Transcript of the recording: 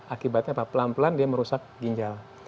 akibatnya apa pelan pelan dia merusak ginjal